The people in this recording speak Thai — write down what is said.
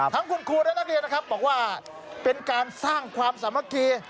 ทั้งคุณครูและนักเรียนนะครับบอกว่าเป็นการสร้างความสามัคคี